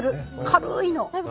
軽いの。